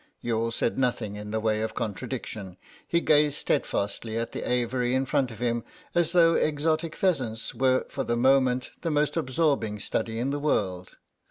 Youghal said nothing in the way of contradiction; he gazed steadfastly at the aviary in front of him as though exotic pheasants were for the moment the most absorbing study in the world.